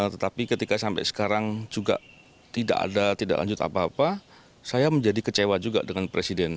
tetapi ketika sampai sekarang juga tidak ada tidak lanjut apa apa saya menjadi kecewa juga dengan presiden